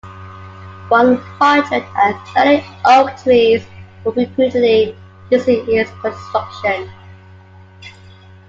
One hundred and thirty oak trees were reputedly used in its construction.